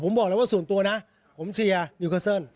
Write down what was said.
ผมบอกแล้วว่าส่วนตัวนะผมเชียร์นิวเคอร์เซิล